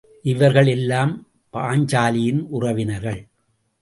இவர்கள் எல்லாம் பாஞ்சாலியின் உறவினர்கள்.